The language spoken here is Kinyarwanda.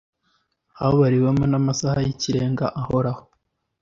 habariwemo n amasaha y ikirenga ahoraho